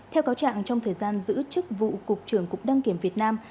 theo cáo trạng trong thời gian giữ chức vụ cục trưởng cục đăng kiểm việt nam